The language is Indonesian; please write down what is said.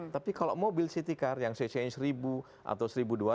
tapi kalau mobil city car yang cc nya seribu atau seribu dua ratus